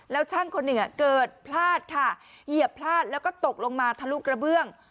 แล้วช่างคนหนึ่งเกิดพลาดค่ะเหยียบพลาดแล้วก็ตกลงมาทะลุกระเบื้อง